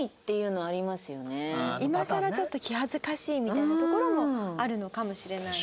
今更ちょっと気恥ずかしいみたいなところもあるのかもしれない。